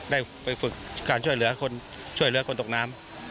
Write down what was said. ได้ไปฝึกการช่วยเหลือคนช่วยเหลือคนตกน้ำ